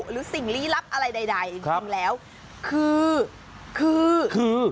หรือสิ่งลี้ลับอะไรใดตรงแล้วคือคือคือคือ